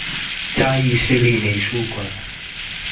嘉義市立美術館